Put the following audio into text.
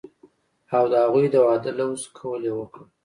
او د هغوي د وادۀ لوظ قول يې وکړۀ